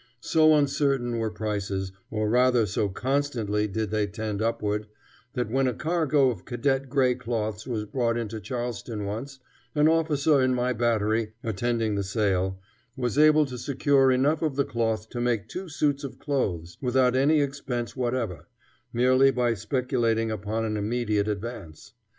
So uncertain were prices, or rather so constantly did they tend upward, that when a cargo of cadet gray cloths was brought into Charleston once, an officer in my battery, attending the sale, was able to secure enough of the cloth to make two suits of clothes, without any expense whatever, merely by speculating upon an immediate advance.